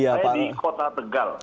saya di kota tegal